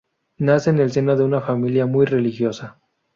Nace en el seno de una familia muy religiosa.